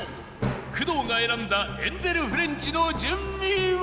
工藤が選んだエンゼルフレンチの順位は？